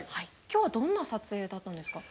今日はどんな撮影だったんですか？